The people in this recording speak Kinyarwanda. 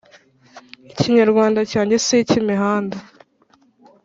ikinyarwanda cyanjye siki imihanda